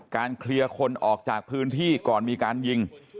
เคลียร์คนออกจากพื้นที่ก่อนมีการยิง